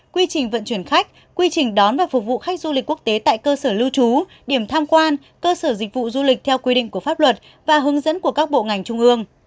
quy trình vận chuyển khách quy trình đón và phục vụ khách du lịch quốc tế tại cơ sở lưu trú điểm tham quan cơ sở dịch vụ du lịch theo quy định của pháp luật và hướng dẫn của các bộ ngành trung ương